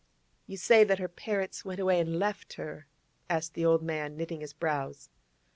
'You say that her parents went away and left her?' asked the old man, knitting his brows.